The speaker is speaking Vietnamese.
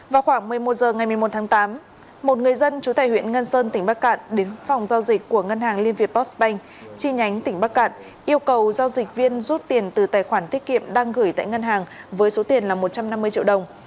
vào khoảng một mươi một h ngày một mươi một tháng tám một người dân chú tài huyện ngân sơn tỉnh bắc cạn đến phòng giao dịch của ngân hàng liên việt postbank chi nhánh tỉnh bắc cạn yêu cầu giao dịch viên rút tiền từ tài khoản tiết kiệm đang gửi tại ngân hàng với số tiền là một trăm năm mươi triệu đồng